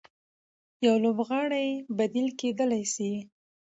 يو لوبغاړی بديل کېدلای سي.